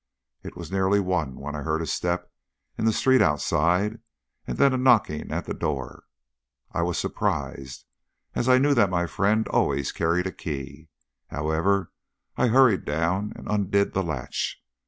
It was nearly one when I heard a step in the street outside, and then a knocking at the door. I was surprised, as I knew that my friend always carried a key however, I hurried down and undid the latch.